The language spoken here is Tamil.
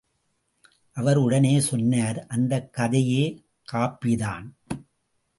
அவர் உடனே சொன்னார் அந்தக் கதையே காப்பிதான்.